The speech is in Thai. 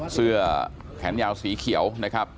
เสื้อแขนยาวสีเขียวนะครับ